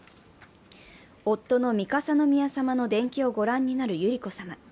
夫の三笠宮さまの伝記をご覧になる百合子さま。